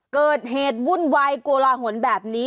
เกิดเหตุวุ่นวายโกลาหลแบบนี้